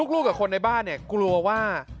กับคนในบ้านเนี่ยกลัวว่า